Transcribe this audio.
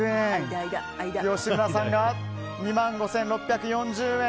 吉村さんが２万５６４０円。